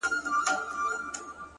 • منبرونه یې نیولي جاهلانو ,